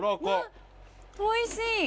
おいしい。